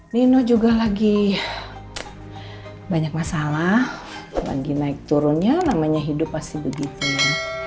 nino juga lagi banyak masalah lagi naik turunnya namanya hidup pasti begitu